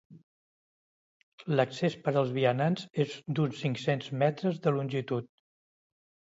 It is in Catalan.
L'accés per als vianants és d'uns cinc-cents metres de longitud.